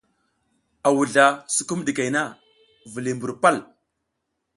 A wuzla sukum ɗikey na, viliy mbur pal.